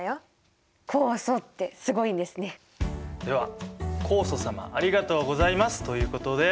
酵素様ありがとうございますということで頂きますか！